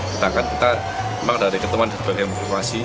sedangkan kita memang dari ketemuan dari beberapa emplikasi